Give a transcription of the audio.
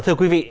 thưa quý vị